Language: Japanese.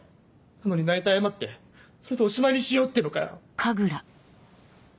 なのに泣いて謝ってそれでおしまいにしようってのかよ。